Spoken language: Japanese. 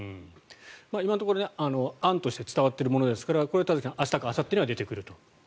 今のところ、案として伝わっているものですから明日かあさってには出てくると。